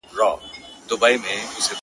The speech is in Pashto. o راهب په کليسا کي مردار ښه دی، مندر نسته